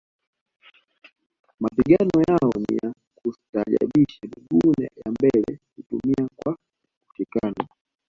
Mapigano yao ni ya kustaajabisha miguu ya mbele hutumia kwa kushikana